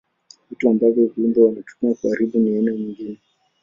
Vitu ambavyo viumbe wanatumia kuharibu aina nyingine.